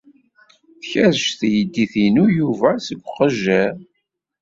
Tkerrec teydit-inu Yuba seg uqejjir.